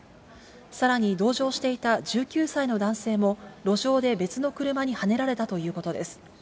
さらに同乗していた１９歳の男性も、路上で別の車にはねられたということです。